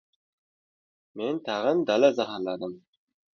Men tag‘in dala zaharladim.